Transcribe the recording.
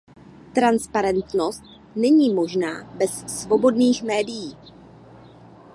Transparentnost není možná bez svobodných médií.